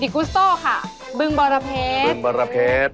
คุสโต้ค่ะบึงบรเพชรบึงบรเพชร